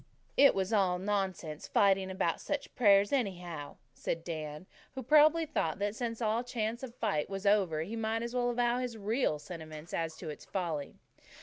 "It was all nonsense fighting about such prayers, anyhow," said Dan, who probably thought that since all chance of a fight was over, he might as well avow his real sentiments as to its folly.